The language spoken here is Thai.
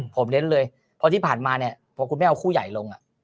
ผมเน้นเลยเพราะที่ผ่านมาเนี่ยพอคุณแม่เอาคู่ใหญ่ลง